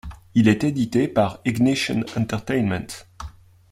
Il est édité par Ignition Entertainment.